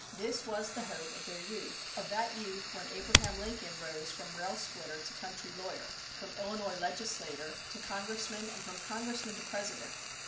This was the hope of their youth, of that youth when Abraham Lincoln rose from rail splitter to country lawyer, from Illinois legislator to congressman and from congressman to President.